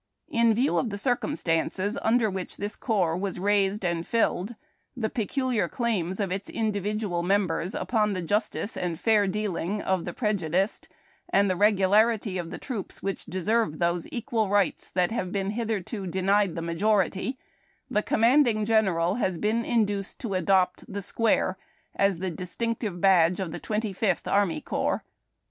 ] In view of the circumstances under which this Corps was raised and filled, the peculiar claims of its individual members upon the justice and fair deal ing of the prejudiced, and the regularity of the troops which deserve those equal rights that have been hitherto denied the majority, the Commanding General has been induced to adopt the Square as the distinctive badge of the Twenty Fifth Army Corps.